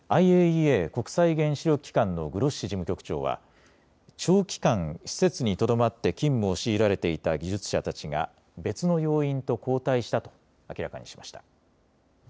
ＩＡＥＡ・国際原子力機関のグロッシ事務局長は長期間、施設にとどまって勤務を強いられていた技術者たちが別の要員と交代したと明らかにしました。